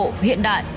học hiện đại